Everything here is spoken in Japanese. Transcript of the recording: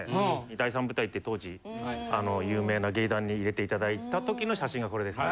第三舞台って当時有名な劇団に入れて頂いた時の写真がこれですね。